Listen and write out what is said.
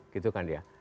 gitu kan ya